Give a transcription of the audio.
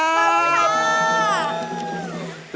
ขอบคุณค่ะ